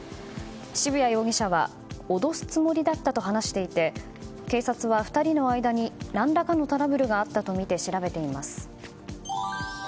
渋谷容疑者は脅すつもりだったと話していて警察は２人の間に何らかのトラブルがあったとみて調べています。